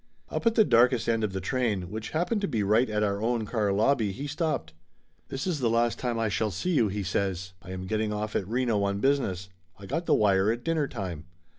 Up at the darkest end of the train, which hap pened to be right at our own car lobby, he stopped. "This is the last time I shall see you," he says. "I am getting off at Reno on business. I got the wire at dinner time."